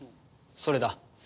それだ。